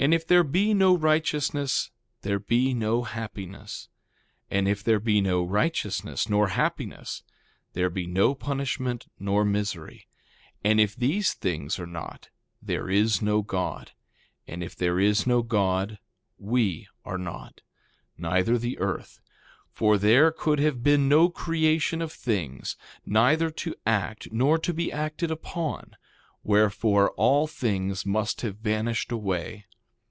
And if there be no righteousness there be no happiness. And if there be no righteousness nor happiness there be no punishment nor misery. And if these things are not there is no God. And if there is no God we are not, neither the earth; for there could have been no creation of things, neither to act nor to be acted upon; wherefore, all things must have vanished away.